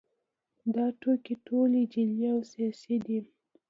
دا ټوکې ټولې جعلي او سیاسي دي